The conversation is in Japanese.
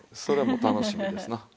それも楽しみですな。